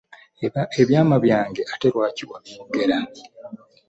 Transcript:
Ebyama byange ate lwaki wabyogera?